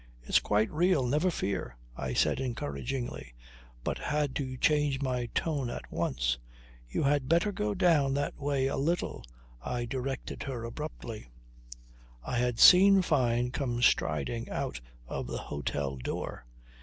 "It's quite real. Never fear," I said encouragingly, but had to change my tone at once. "You had better go down that way a little," I directed her abruptly. I had seen Fyne come striding out of the hotel door.